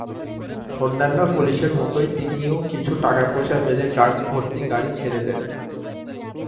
অন্যান্য পুলিশের মতই তিনিও কিছু টাকা পয়সা পেলে ড্রাগ ভর্তি গাড়ি ছেড়ে দেন।